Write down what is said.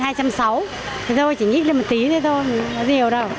thế thôi chỉ nhít lên một tí thôi